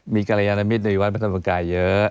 มีกรยานมิตรในวัดพระธรรมกายเยอะ